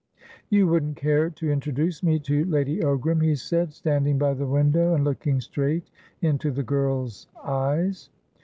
"You wouldn't care to introduce me to Lady Ogram?" he said, standing by the window, and looking straight into the girl's eyes.